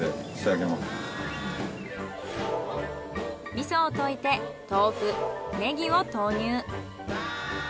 味噌を溶いて豆腐ネギを投入。